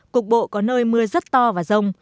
cục bộ có nơi mưa rất to và rông